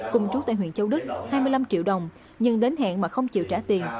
cùng chú tại huyện châu đức hai mươi năm triệu đồng nhưng đến hẹn mà không chịu trả tiền